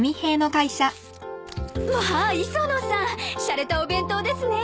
まあ磯野さんしゃれたお弁当ですね。